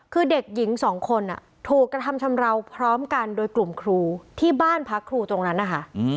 คือเด็กหญิงสองคนถูกกระทำชำราวพร้อมกันโดยกลุ่มครูที่บ้านพักครูตรงนั้นนะคะ